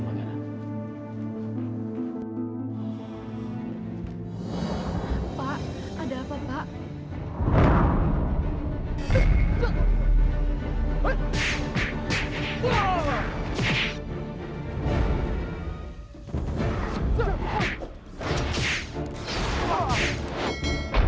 pak ada apa pak